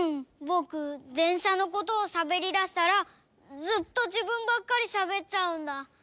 ぼくでんしゃのことをしゃべりだしたらずっとじぶんばっかりしゃべっちゃうんだ。